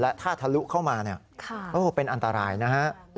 และถ้าทะลุเข้ามาเป็นอันตรายนะฮะ